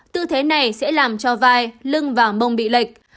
tư thế này sẽ làm cho vai lưng và mông bị lệch